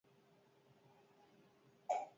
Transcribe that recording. Arratsaldetik aurrera botako du euri gehien.